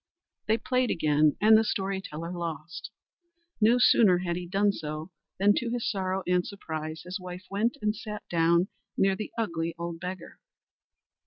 They played again, and the story teller lost. No sooner had he done so, than to his sorrow and surprise, his wife went and sat down near the ugly old beggar.